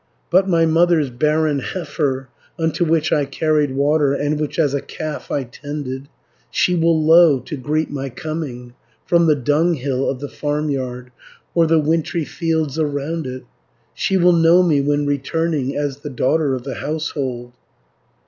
"But my mother's barren heifer, Unto which I carried water, And which as a calf I tended, She will low to greet my coming, From the dunghill of the farmyard, Or the wintry fields around it; She will know me, when returning, As the daughter of the household.